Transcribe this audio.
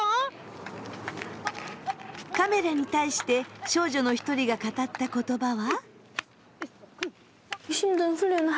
カメラに対して少女の一人が語った言葉は。